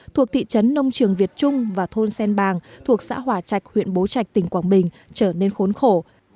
thuộc thị trấn nông trường việt trung và thôn sen bàng thuộc xã hòa trạch huyện bố trạch tỉnh quảng bình trở nên khốn khổ